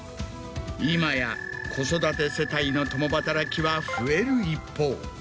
今や子育て世帯の共働きは増える一方。